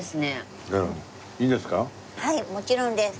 はいもちろんです。